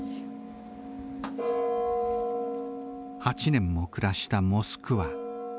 ８年も暮らしたモスクワ。